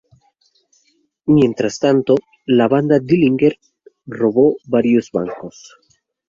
Mientras tanto, la banda de Dillinger robó varios bancos.